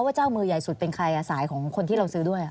เจ้ามือใหญ่สุดเป็นใครสายของคนที่เราซื้อด้วย